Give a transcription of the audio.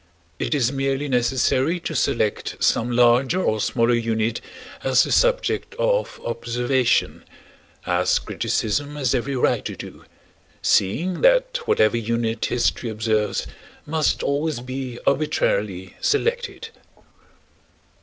It is merely necessary to select some larger or smaller unit as the subject of observation—as criticism has every right to do, seeing that whatever unit history observes must always be arbitrarily selected.